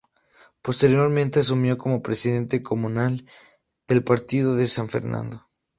Posteriormente asumió como presidente comunal del partido en San Fernando.